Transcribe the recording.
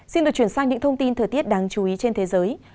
xin được chuyển sang những thông tin thời tiết đáng chú ý trên thế giới